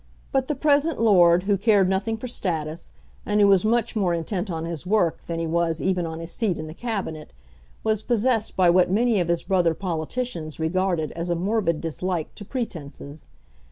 But the present Lord, who cared nothing for status, and who was much more intent on his work than he was even on his seat in the Cabinet, was possessed by what many of his brother politicians regarded as a morbid dislike to pretences.